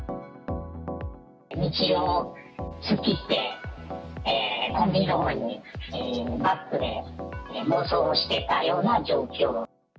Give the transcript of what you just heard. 道を突っ切って、コンビニのほうにバックで暴走をしてたような状況。